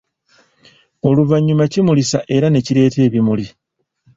Oluvanyuma kimulisa era nekireeta ebimuli.